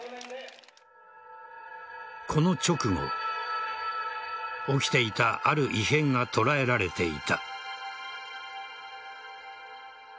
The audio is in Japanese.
この直後、起きていたある異変が捉えられていた。